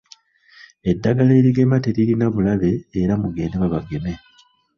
Eddagala erigema teririna bulabe era mugende babageme.